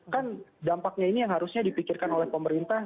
kan dampaknya ini yang harusnya dipikirkan oleh pemerintah